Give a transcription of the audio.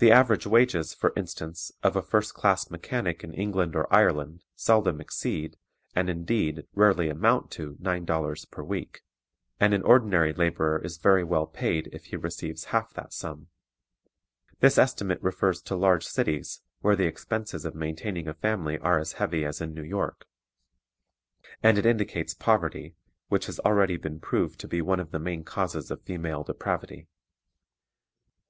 The average wages, for instance, of a first class mechanic in England or Ireland seldom exceed, and, indeed, rarely amount to, nine dollars per week, and an ordinary laborer is very well paid if he receives half that sum. This estimate refers to large cities, where the expenses of maintaining a family are as heavy as in New York, and it indicates poverty, which has already been proved to be one of the main causes of female depravity.